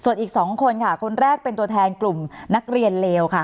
ส่วนอีก๒คนค่ะคนแรกเป็นตัวแทนกลุ่มนักเรียนเลวค่ะ